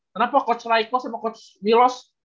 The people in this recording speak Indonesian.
kenapa coach raikos sama coach wilos